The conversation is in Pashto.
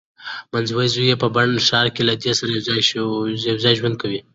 منځوی زوی یې په بن ښار کې له دې سره یوځای ژوند کوي.